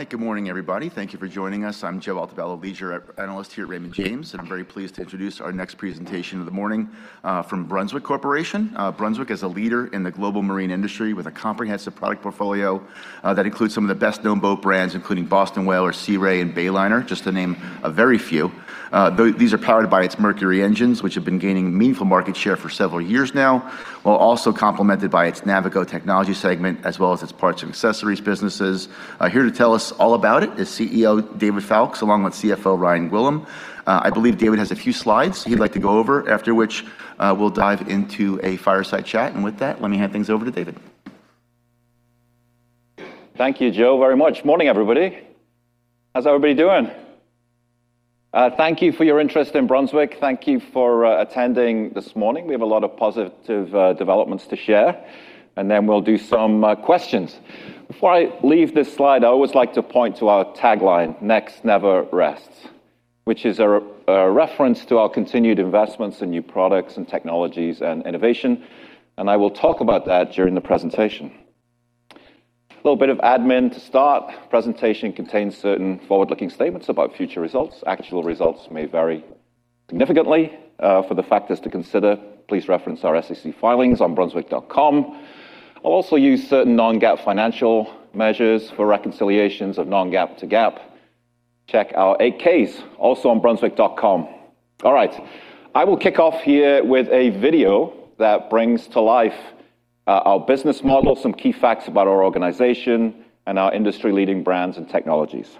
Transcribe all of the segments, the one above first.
All right. Good morning, everybody. Thank you for joining us. I'm Joe Altobello, leisure analyst here at Raymond James. I'm very pleased to introduce our next presentation of the morning from Brunswick Corporation. Brunswick is a leader in the global marine industry with a comprehensive product portfolio that includes some of the best-known boat brands, including Boston Whaler, Sea Ray, and Bayliner, just to name a very few. These are powered by its Mercury engines, which have been gaining meaningful market share for several years now, while also complemented by its Navico technology segment as well as its parts and accessories businesses. Here to tell us all about it is CEO David Foulkes, along with CFO Ryan Gwillim. I believe David has a few slides he'd like to go over, after which, we'll dive into a fireside chat. With that, let me hand things over to David. Thank you, Joe, very much. Morning, everybody. How's everybody doing? Thank you for your interest in Brunswick. Thank you for attending this morning. We have a lot of positive developments to share, and then we'll do some questions. Before I leave this slide, I always like to point to our tagline, "Next Never Rests," which is a reference to our continued investments in new products and technologies and innovation, and I will talk about that during the presentation. Little bit of admin to start. Presentation contains certain forward-looking statements about future results. Actual results may vary significantly. For the factors to consider, please reference our SEC filings on brunswick.com. I'll also use certain non-GAAP financial measures. For reconciliations of non-GAAP to GAAP, check our 8-Ks, also on brunswick.com. All right. I will kick off here with a video that brings to life our business model, some key facts about our organization, and our industry-leading brands and technologies.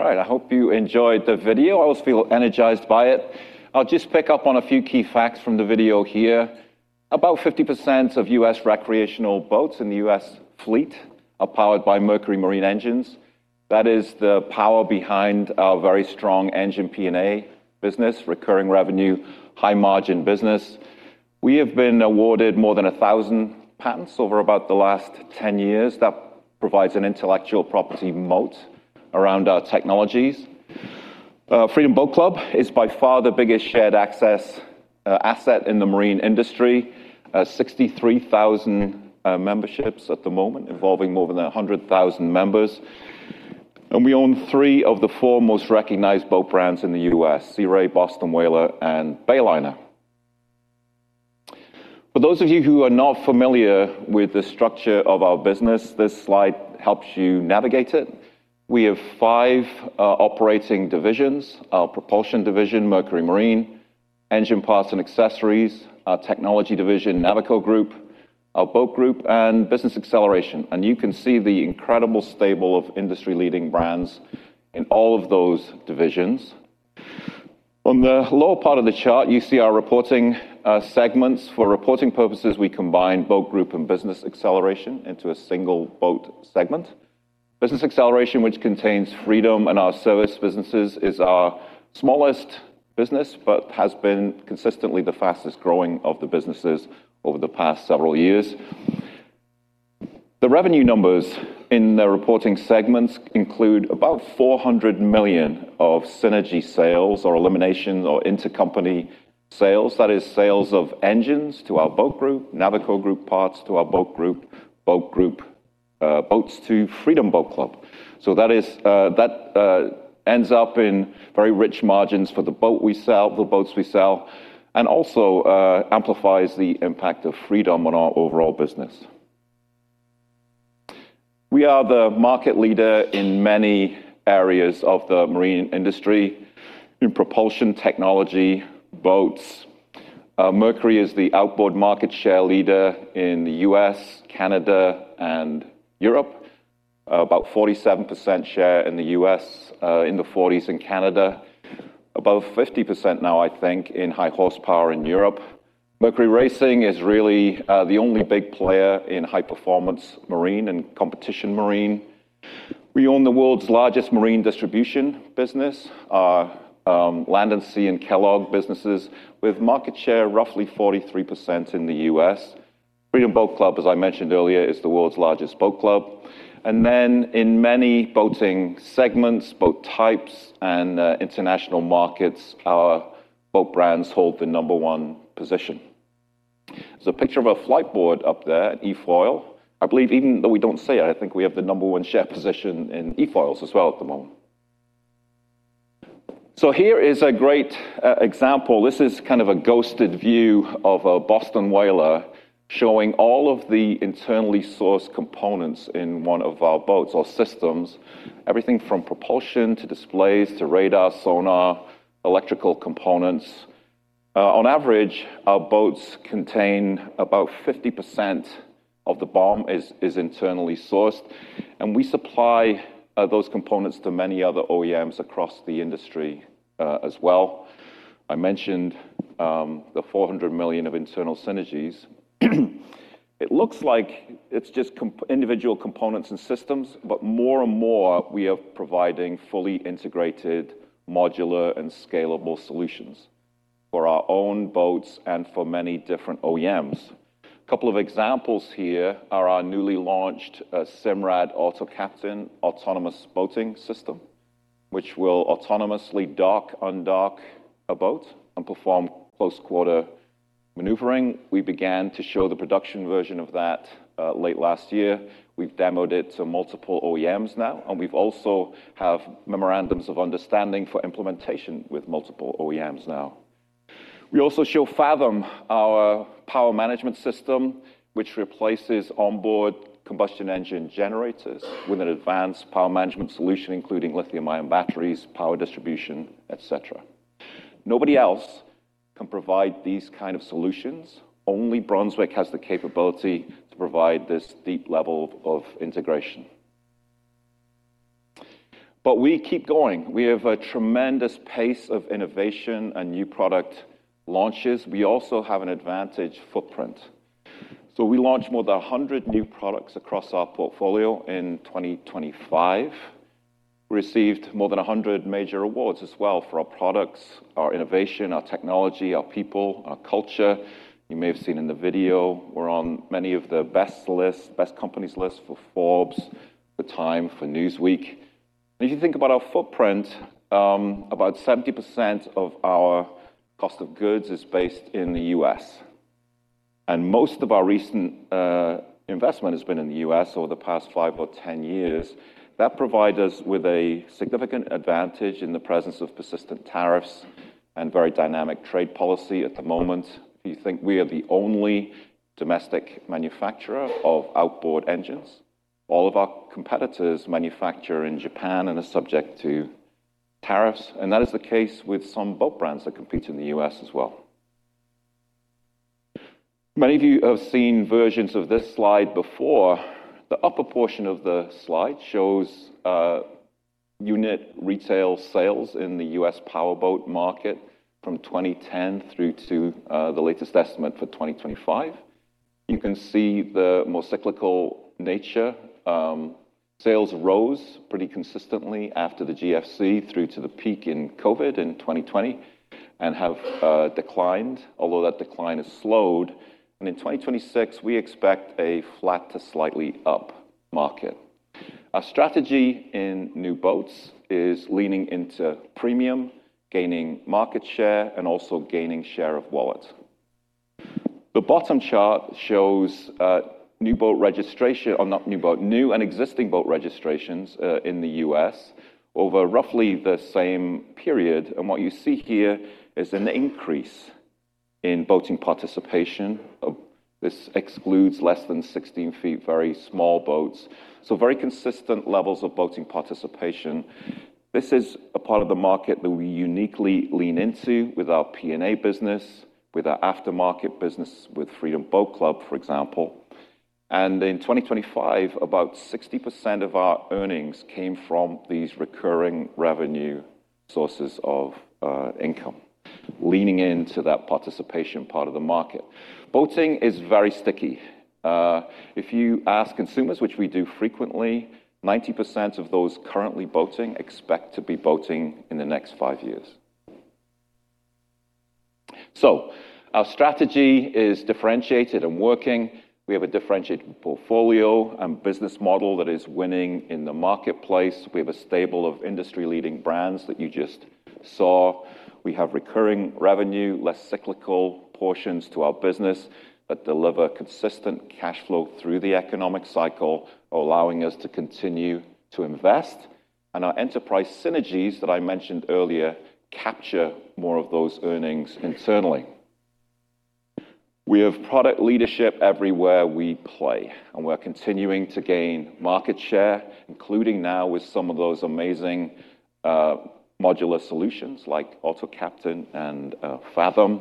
All right. I hope you enjoyed the video. I always feel energized by it. I'll just pick up on a few key facts from the video here. About 50% of U.S. recreational boats in the U.S. fleet are powered by Mercury Marine engines. That is the power behind our very strong engine P&A business, recurring revenue, high margin business. We have been awarded more than 1,000 patents over about the last 10 years. That provides an intellectual property moat around our technologies. Freedom Boat Club is by far the biggest shared access asset in the marine industry. 63,000 memberships at the moment involving more than 100,000 members. We own three of the four most recognized boat brands in the U.S., Sea Ray, Boston Whaler, and Bayliner. For those of you who are not familiar with the structure of our business, this slide helps you navigate it. We have five operating divisions, our Propulsion division, Mercury Marine, Engine Parts and Accessories, our Technology division, Navico Group, our Boat Group, and Business Acceleration. You can see the incredible stable of industry-leading brands in all of those divisions. On the lower part of the chart, you see our reporting segments. For reporting purposes, we combine Boat Group and Business Acceleration into a single Boat segment. Business Acceleration, which contains Freedom and our service businesses, is our smallest business, but has been consistently the fastest-growing of the businesses over the past several years. The revenue numbers in the reporting segments include about $400 million of synergy sales or elimination or intercompany sales. That is sales of engines to our Boat Group, Navico Group parts to our Boat Group, Boat Group boats to Freedom Boat Club. That is that ends up in very rich margins for the boats we sell, and also amplifies the impact of Freedom on our overall business. We are the market leader in many areas of the marine industry, in propulsion technology, boats. Mercury is the outboard market share leader in the U.S., Canada, and Europe. About 47% share in the U.S., in the 40s in Canada, above 50% now I think in high horsepower in Europe. Mercury Racing is really the only big player in high-performance marine and competition marine. We own the world's largest marine distribution business, our Land Sea and Kellogg Marine businesses, with market share roughly 43% in the U.S. Freedom Boat Club, as I mentioned earlier, is the world's largest boat club. In many boating segments, boat types, and international markets, our boat brands hold the number one position. There's a picture of a Fliteboard up there, an eFoil. I believe even though we don't say it, I think we have the number one share position in eFoils as well at the moment. Here is a great example. This is kind of a ghosted view of a Boston Whaler showing all of the internally sourced components in one of our boats or systems. Everything from Propulsion, to displays, to radar, sonar, electrical components. On average, our boats contain about 50% of the BOM is internally sourced, and we supply those components to many other OEMs across the industry as well. I mentioned the $400 million of internal synergies. It looks like it's just individual components and systems, but more and more we are providing fully integrated modular and scalable solutions for our own boats and for many different OEMs. A couple of examples here are our newly launched Simrad Autopilot Captain autonomous boating system, which will autonomously dock, undock a boat and perform close quarter maneuvering. We began to show the production version of that late last year. We've demoed it to multiple OEMs now, and we've also have Memorandums of Understanding for implementation with multiple OEMs now. We also show Fathom our power management system, which replaces onboard combustion engine generators with an advanced power management solution, including lithium-ion batteries, power distribution, et cetera. Nobody else can provide these kind of solutions. Only Brunswick has the capability to provide this deep level of integration. We keep going. We have a tremendous pace of innovation and new product launches. We also have an advantage footprint. We launched more than 100 new products across our portfolio in 2025. Received more than 100 major awards as well for our products, our innovation, our technology, our people, our culture. You may have seen in the video we're on many of the best lists, best companies lists for Forbes, for Time, for Newsweek. If you think about our footprint, about 70% of our cost of goods is based in the U.S., and most of our recent investment has been in the U.S. over the past five or 10 years. That provide us with a significant advantage in the presence of persistent tariffs and very dynamic trade policy at the moment. If you think we are the only domestic manufacturer of outboard engines. All of our competitors manufacture in Japan and are subject to tariffs, and that is the case with some boat brands that compete in the U.S. as well. Many of you have seen versions of this slide before. The upper portion of the slide shows unit retail sales in the U.S. powerboat market from 2010 through to the latest estimate for 2025. You can see the more cyclical nature. Sales rose pretty consistently after the GFC through to the peak in COVID in 2020 and have declined, although that decline has slowed. In 2026 we expect a flat to slightly up market. Our strategy in new boats is leaning into premium, gaining market share, and also gaining share of wallet. The bottom chart shows new and existing boat registrations, in the U.S. over roughly the same period. What you see here is an increase in boating participation. This excludes less than 16 feet, very small boats. Very consistent levels of boating participation. This is a part of the market that we uniquely lean into with our P&A business, with our aftermarket business, with Freedom Boat Club, for example. In 2025, about 60% of our earnings came from these recurring revenue sources of income, leaning into that participation part of the market. Boating is very sticky. If you ask consumers, which we do frequently, 90% of those currently boating expect to be boating in the next five years. Our strategy is differentiated and working. We have a differentiated portfolio and business model that is winning in the marketplace. We have a stable of industry-leading brands that you just saw. We have recurring revenue, less cyclical portions to our business that deliver consistent cash flow through the economic cycle, allowing us to continue to invest. Our enterprise synergies that I mentioned earlier capture more of those earnings internally. We have product leadership everywhere we play, and we're continuing to gain market share, including now with some of those amazing modular solutions like AutoCaptain and Fathom.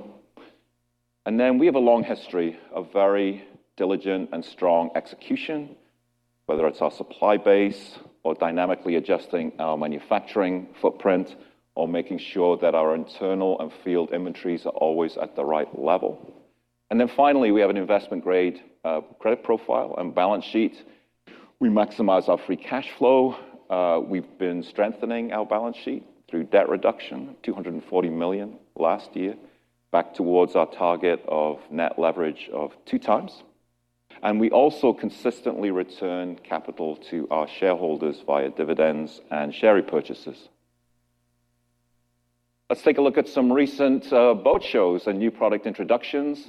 Then we have a long history of very diligent and strong execution. Whether it's our supply base or dynamically adjusting our manufacturing footprint or making sure that our internal and field inventories are always at the right level. Then finally, we have an investment-grade credit profile and balance sheet. We maximize our free cash flow. We've been strengthening our balance sheet through debt reduction, $240 million last year, back towards our target of net leverage of two times. We also consistently return capital to our shareholders via dividends and share repurchases. Let's take a look at some recent boat shows and new product introductions.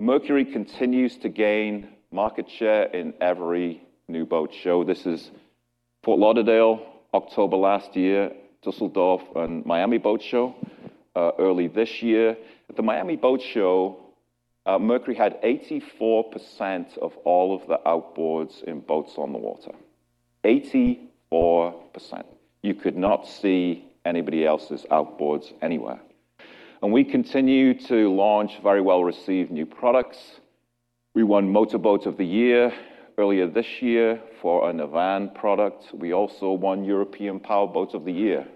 Mercury continues to gain market share in every new boat show. This is Fort Lauderdale, October last year, Düsseldorf and Miami Boat Show early this year. At the Miami Boat Show, Mercury had 84% of all of the outboards in boats on the water. 84%. You could not see anybody else's outboards anywhere. We continue to launch very well-received new products. We won Motor Boat of the Year earlier this year for a Navan product. We also won European Powerboat of the Year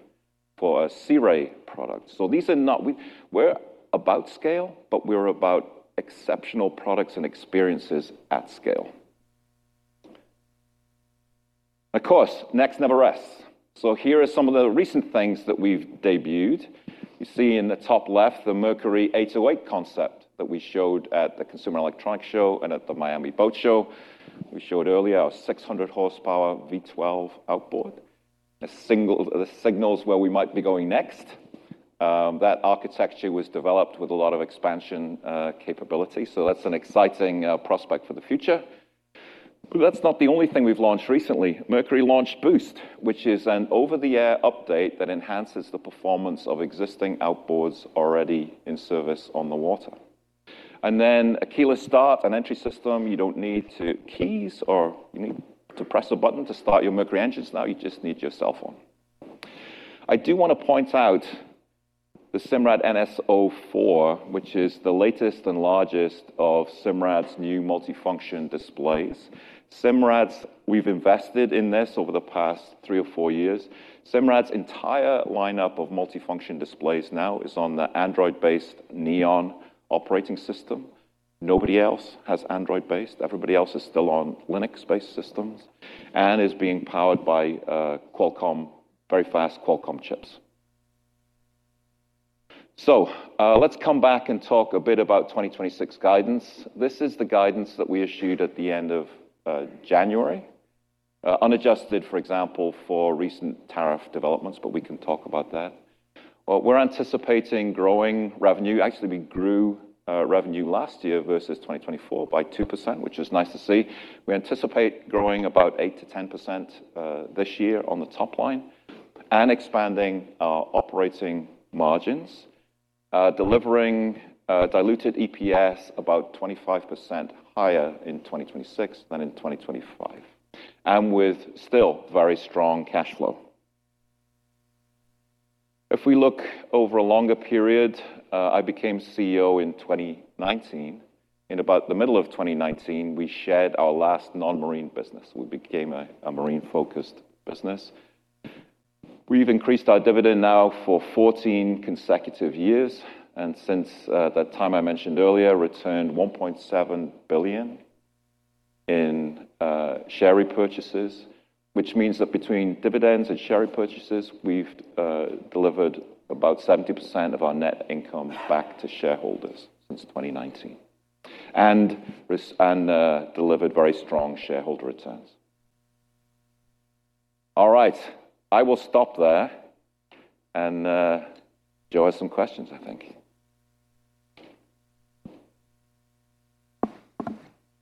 for a Sea Ray product. These are not. We're about scale, but we're about exceptional products and experiences at scale. Of course, Next Never Rests. Here are some of the recent things that we've debuted. You see in the top left, the Mercury 808 concept that we showed at the Consumer Electronics Show and at the Miami Boat Show. We showed earlier our 600 horsepower V12 outboard. It signals where we might be going next. That architecture was developed with a lot of expansion capability, so that's an exciting prospect for the future. That's not the only thing we've launched recently. Mercury launched Boost, which is an over-the-air update that enhances the performance of existing outboards already in service on the water. A keyless start and entry system. You don't need keys, or you need to press a button to start your Mercury engines now. You just need your cell phone. I do wanna point out the Simrad NSO 4, which is the latest and largest of Simrad's new multifunction displays. Simrad's, we've invested in this over the past three or four years. Simrad's entire lineup of multifunction displays now is on the Android-based NEON operating system. Nobody else has Android-based. Everybody else is still on Linux-based systems and is being powered by Qualcomm, very fast Qualcomm chips. Let's come back and talk a bit about 2026 guidance. This is the guidance that we issued at the end of January. Unadjusted, for example, for recent tariff developments, but we can talk about that. We're anticipating growing revenue. Actually, we grew revenue last year versus 2024 by 2%, which is nice to see. We anticipate growing about 8% to 10% this year on the top line and expanding our operating margins, delivering diluted EPS about 25% higher in 2026 than in 2025, and with still very strong cash flow. If we look over a longer period, I became CEO in 2019. In about the middle of 2019, we shed our last non-marine business. We became a marine-focused business. We've increased our dividend now for 14 consecutive years and since that time I mentioned earlier, returned $1.7 billion in share repurchases, which means that between dividends and share repurchases, we've delivered about 70% of our net income back to shareholders since 2019 and delivered very strong shareholder returns. All right, I will stop there and Joe has some questions, I think.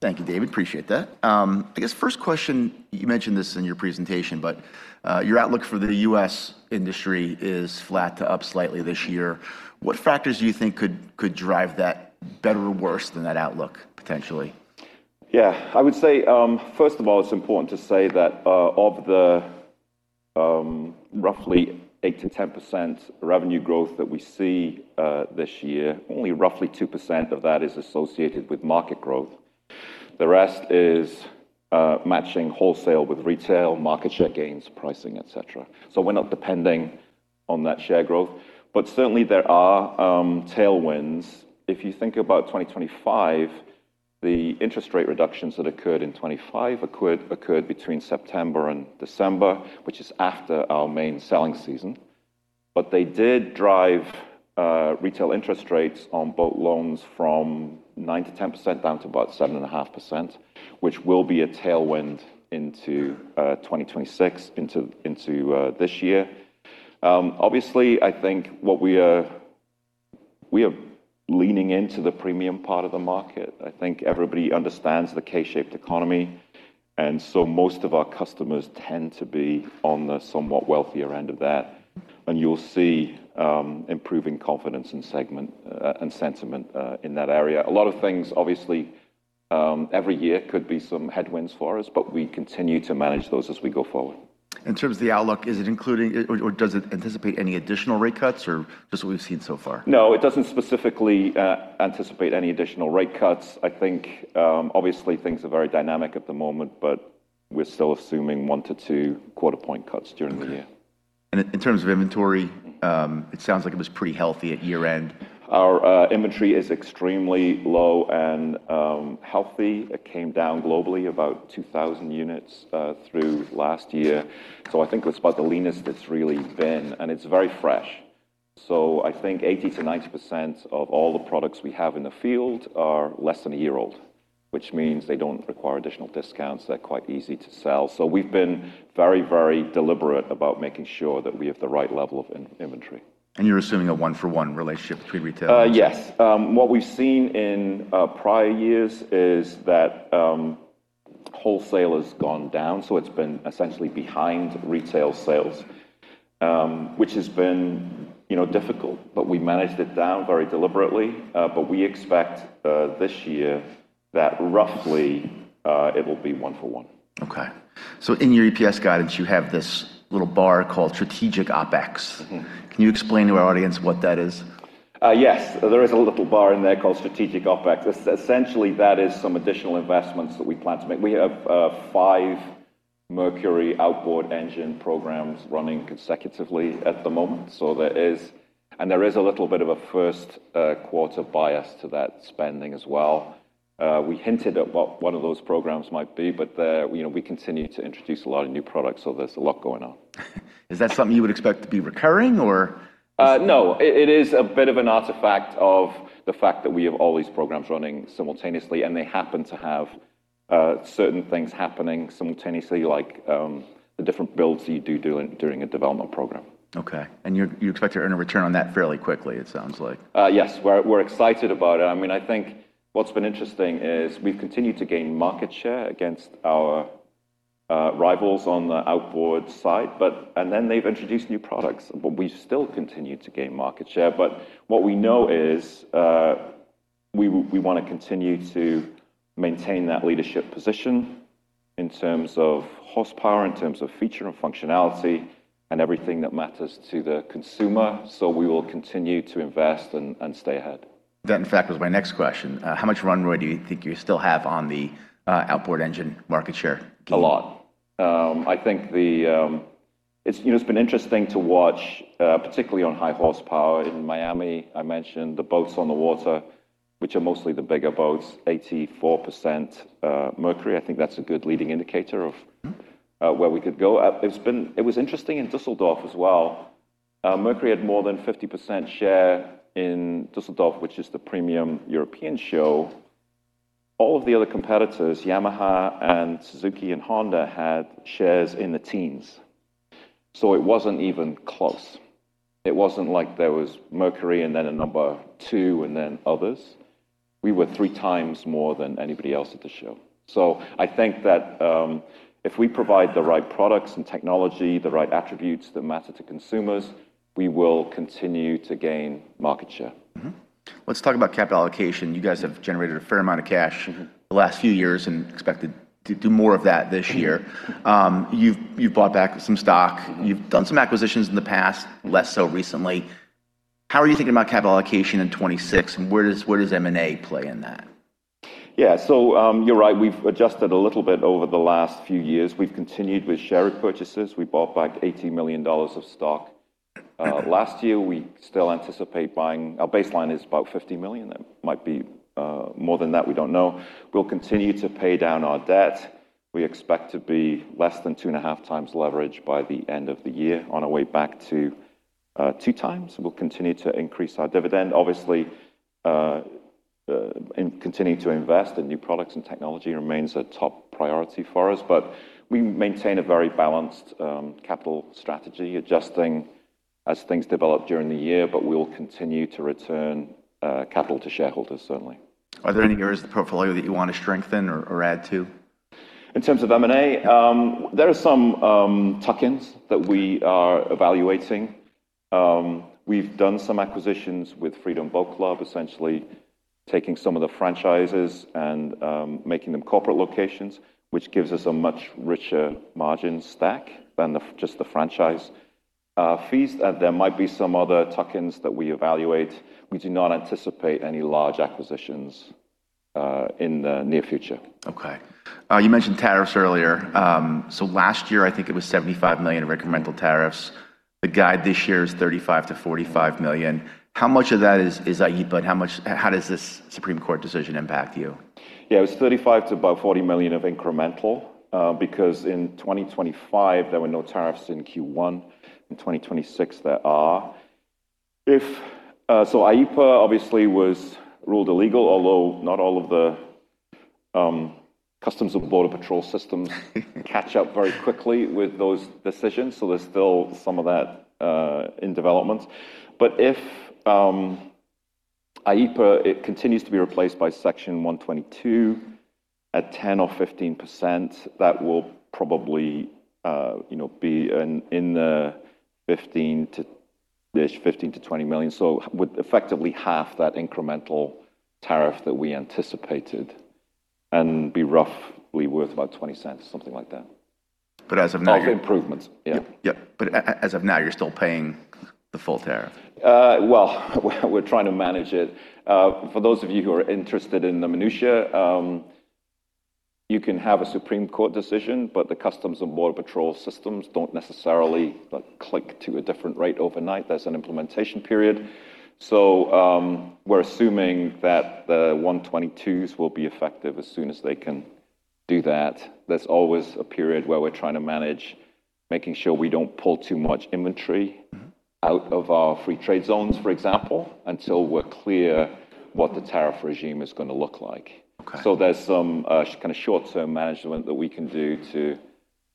Thank you, David. Appreciate that. I guess first question, you mentioned this in your presentation, your outlook for the U.S. industry is flat to up slightly this year. What factors do you think could drive that better or worse than that outlook, potentially? Yeah. I would say, first of all, it's important to say that of the roughly 8%-10% revenue growth that we see this year, only roughly 2% of that is associated with market growth. The rest is matching wholesale with retail, market share gains, pricing, et cetera. We're not depending on that share growth, but certainly there are tailwinds. If you think about 2025, the interest rate reductions that occurred in 2025 occurred between September and December, which is after our main selling season. They did drive retail interest rates on boat loans from 9%-10% down to about 7.5%, which will be a tailwind into 2026, into this year. Obviously, I think what we are... We are leaning into the premium part of the market. I think everybody understands the K-shaped economy. Most of our customers tend to be on the somewhat wealthier end of that, and you'll see improving confidence in segment and sentiment in that area. A lot of things, obviously, every year could be some headwinds for us, but we continue to manage those as we go forward. In terms of the outlook, is it including or does it anticipate any additional rate cuts or just what we've seen so far? No, it doesn't specifically anticipate any additional rate cuts. I think obviously things are very dynamic at the moment, but we're still assuming one to two quarter point cuts during the year. Okay. In terms of inventory, it sounds like it was pretty healthy at year-end. Our inventory is extremely low and healthy. It came down globally about 2,000 units through last year. I think it's about the leanest it's really been, and it's very fresh. I think 80%-90% of all the products we have in the field are less than a year old, which means they don't require additional discounts. They're quite easy to sell. We've been very, very deliberate about making sure that we have the right level of in-inventory. You're assuming a one-for-one relationship between retail. Yes. What we've seen in prior years is that wholesale has gone down, so it's been essentially behind retail sales, which has been, you know, difficult, but we managed it down very deliberately. We expect this year that roughly it will be one for one. In your EPS guidance, you have this little bar called strategic OpEx. Mm-hmm. Can you explain to our audience what that is? Yes. There is a little bar in there called strategic OpEx. Essentially, that is some additional investments that we plan to make. We have five Mercury outboard engine programs running consecutively at the moment, so there is a little bit of a first quarter bias to that spending as well. We hinted at what one of those programs might be, but you know, we continue to introduce a lot of new products, so there's a lot going on. Is that something you would expect to be recurring? no. It is a bit of an artifact of the fact that we have all these programs running simultaneously, and they happen to have certain things happening simultaneously, like the different builds that you do during a development program. Okay. You expect to earn a return on that fairly quickly, it sounds like. Yes. We're excited about it. I mean, I think what's been interesting is we've continued to gain market share against our rivals on the outboard side, and then they've introduced new products, but we've still continued to gain market share. What we know is, we wanna continue to maintain that leadership position in terms of horsepower, in terms of feature and functionality, and everything that matters to the consumer. We will continue to invest and stay ahead. That, in fact, was my next question. How much runway do you think you still have on the outboard engine market share gain? A lot. It's, you know, it's been interesting to watch, particularly on high horsepower. In Miami, I mentioned the boats on the water, which are mostly the bigger boats, 84% Mercury. I think that's a good leading indicator. Mm-hmm... where we could go. It was interesting in Düsseldorf as well. Mercury had more than 50% share in Düsseldorf, which is the premium European show. All of the other competitors, Yamaha and Suzuki and Honda, had shares in the teens, so it wasn't even close. It wasn't like there was Mercury and then a number two and then others. We were three times more than anybody else at the show. I think that, if we provide the right products and technology, the right attributes that matter to consumers, we will continue to gain market share. Let's talk about capital allocation. You guys have generated a fair amount of cash. Mm-hmm... the last few years and expect to do more of that this year. You've bought back some stock. You've done some acquisitions in the past, less so recently. How are you thinking about capital allocation in 2026, and where does M&A play in that? You're right. We've adjusted a little bit over the last few years. We've continued with share purchases. We bought back $80 million of stock last year. We still anticipate buying. Our baseline is about $50 million. It might be more than that. We don't know. We'll continue to pay down our debt. We expect to be less than 2.5 times leverage by the end of the year on our way back to two times. We'll continue to increase our dividend, obviously. Continuing to invest in new products and technology remains a top priority for us, but we maintain a very balanced capital strategy, adjusting as things develop during the year, but we will continue to return capital to shareholders certainly. Are there any areas of the portfolio that you want to strengthen or add to? In terms of M&A, there are some tuck-ins that we are evaluating. We've done some acquisitions with Freedom Boat Club, essentially taking some of the franchises and making them corporate locations, which gives us a much richer margin stack than the, just the franchise fees. There might be some other tuck-ins that we evaluate. We do not anticipate any large acquisitions in the near future. Okay. You mentioned tariffs earlier. Last year I think it was $75 million of incremental tariffs. The guide this year is $35 million-$45 million. How much of that is EPA and how does this Supreme Court decision impact you? Yeah. It was $35 million to about $40 million of incremental because in 2025 there were no tariffs in Q1. In 2026 there are. If AFA obviously was ruled illegal, although not all of the U.S. Customs and Border Protection systems catch up very quickly with those decisions, there's still some of that in development. If AFA, it continues to be replaced by Section 122 at 10% or 15%, that will probably, you know, be in the $15 million to $20 million. Would effectively half that incremental tariff that we anticipated. And be rough, we're worth about $0.20, something like that. as of now- Of improvements, yeah. Yep. As of now, you're still paying the full tariff? Well, we're trying to manage it. For those of you who are interested in the minutiae, you can have a Supreme Court decision, but the Customs and Border Patrol systems don't necessarily, like, click to a different rate overnight. There's an implementation period. We're assuming that the 122s will be effective as soon as they can do that. There's always a period where we're trying to manage making sure we don't pull too much inventory. Mm-hmm out of our Free Trade Zones, for example, until we're clear what the tariff regime is gonna look like. Okay. There's some kind of short-term management that we can do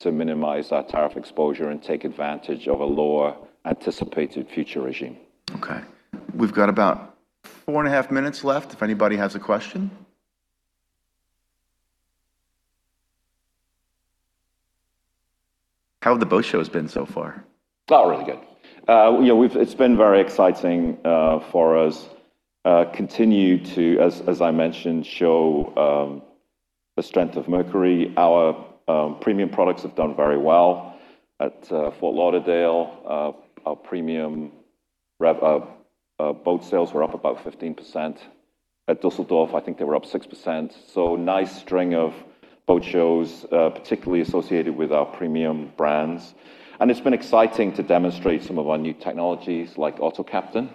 to minimize our tariff exposure and take advantage of a lower anticipated future regime. Okay. We've got about four and a half minutes left if anybody has a question. How have the boat shows been so far? Really good. You know, it's been very exciting for us. Continue to, as I mentioned, show the strength of Mercury. Our premium products have done very well. At Fort Lauderdale, our premium rev boat sales were up about 15%. At Düsseldorf, I think they were up 6%. Nice string of boat shows, particularly associated with our premium brands. It's been exciting to demonstrate some of our new technologies like AutoCaptain.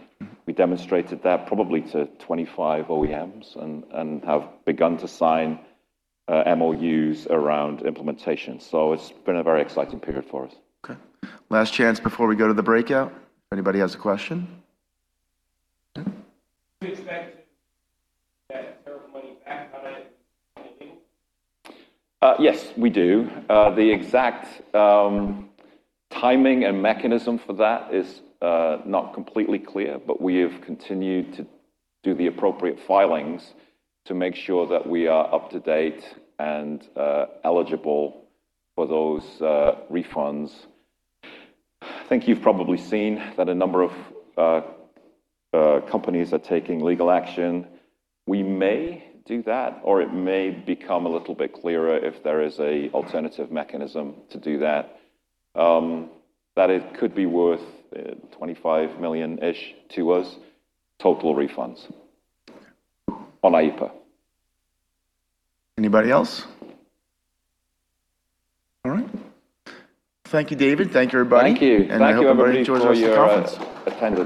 We demonstrated that probably to 25 OEMs and have begun to sign MOUs around implementation. It's been a very exciting period for us. Okay. Last chance before we go to the breakout if anybody has a question. Okay. Do you expect to get tariff money back on anything? Yes, we do. The exact timing and mechanism for that is not completely clear, but we have continued to do the appropriate filings to make sure that we are up to date and eligible for those refunds. I think you've probably seen that a number of companies are taking legal action. We may do that, or it may become a little bit clearer if there is an alternative mechanism to do that. It could be worth $25 million-ish to us, total refunds. Okay on AIPA. Anybody else? All right. Thank you, David. Thank you, everybody. Thank you. I hope everybody enjoys the rest of the conference. Thank you, everybody, for your attendance.